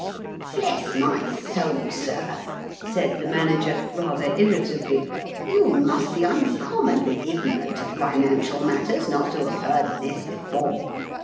"Bless my soul, sir!" said the Manager, rather irritably, you must be uncommonly ig norant of financial matters not to have heard of this before